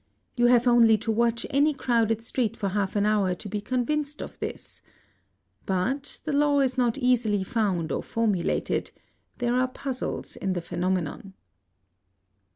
You have only to watch any crowded street for half an hour to be convinced of this. But the law is not easily found or formulated: there are puzzles in the phenomenon.